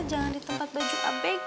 jangan di tempat baju pabrik